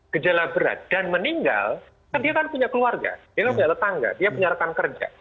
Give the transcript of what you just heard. kejala berat dan meninggal kan dia kan punya keluarga dia kan punya letangga dia punya rekan kerja